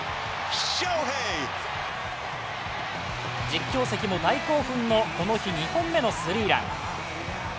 実況席も大興奮のこの日２本目のスリーラン。